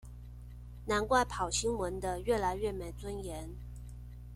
難怪跑新聞的越來越沒尊嚴